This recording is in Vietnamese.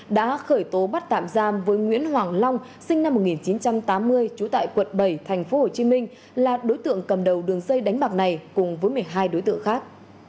đã khởi tố bắt tạm giam với nguyễn hoàng long sinh năm một nghìn chín trăm tám mươi trú tại quận bảy tp hcm là đối tượng cầm đầu đường dây đánh bạc này cùng với một mươi hai đối tượng khác